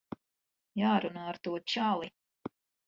Jārunā ar to čali.